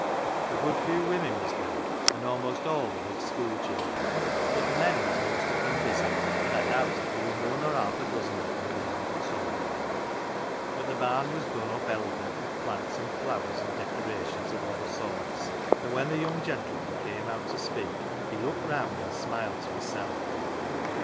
A good few women was there, and almost all the big school children, but the men was most of them busy, and I doubt if there was more nor half a do/en of them there, all told. But the barn was done up elegant with plants and flowers and decorations of all sorts, and when the young gentleman came out to speak, he look round and smiled to hisself.